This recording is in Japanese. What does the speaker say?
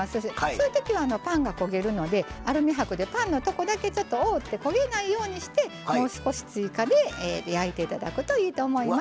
そういう時はパンが焦げるのでアルミ箔でパンのとこだけちょっと覆って焦げないようにしてもう少し追加で焼いて頂くといいと思います。